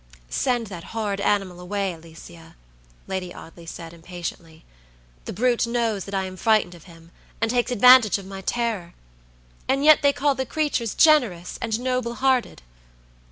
"Send that horrid animal away, Alicia," Lady Audley said, impatiently. "The brute knows that I am frightened of him, and takes advantage of my terror. And yet they call the creatures generous and noble hearted!